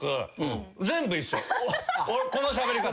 このしゃべり方。